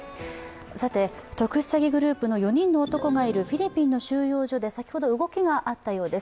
特殊詐欺グループの４人の男がいるフィリピンの収容所で先ほど動きがあったようです。